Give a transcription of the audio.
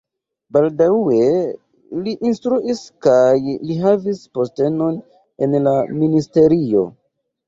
Baldaŭe li instruis kaj li havis postenon en la ministerio.